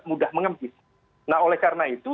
mudah mengempis nah oleh karena itu